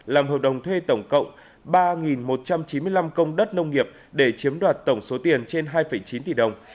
làm hợp đồng thuê tổng cộng ba một trăm chín mươi năm công đất nông nghiệp để chiếm đoạt tổng số tiền trên hai chín tỷ đồng